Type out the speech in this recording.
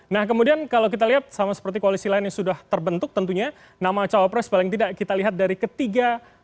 nah kemudian kalau kita lihat sama seperti koalisi lain yang sudah terbentuk tentunya nama cawapres paling tidak kita lihat dari ketiga